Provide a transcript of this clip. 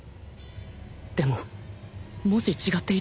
でももし違っていたら